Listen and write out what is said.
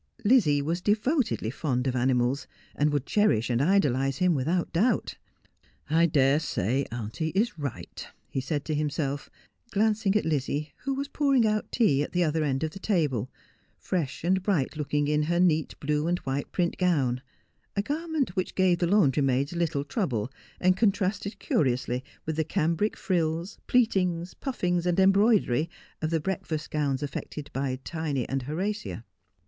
Lizzie was devotedly fond of animals, and would cherish and idolize him, without doubt. ' I dare say auntie is right,'" he said to himself, glancing at Lizzie, who was pouring out tea at the other end of the table, fresh and bright looking in her neat blue and white print gown, a garment which gave the laundry maids little trouble, and con trasted curiously with the cambric frills, pleatings, puffings, and embroidery of the breakfast gowns alluded by Tiny and Horatia.